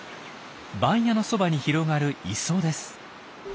番屋のそばに広がる磯です。